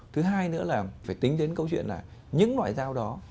thứ hai nữa là phải tính đến câu chuyện là những loại dao đó